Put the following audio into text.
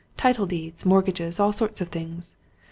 Title deeds, mortgages all sorts of things.